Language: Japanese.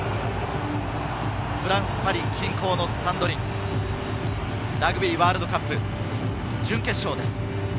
フランス・パリ近郊のサンドニ、ラグビーワールドカップ準決勝です。